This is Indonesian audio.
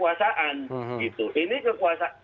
karena ini harus diangkat ini harus diangkat